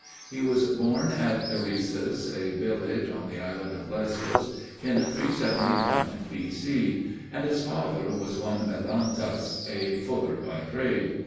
He was born at Eresus, a village on the island of Lesbos, in 371 B.C., and his father was one Melantas, a fuller by trade.